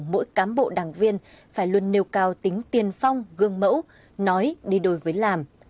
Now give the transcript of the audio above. mỗi cán bộ đảng viên phải luôn nêu cao tính tiên phong gương mẫu nói đi đôi với làm